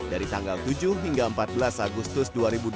dari tanggal tujuh hingga empat belas agustus dua ribu dua puluh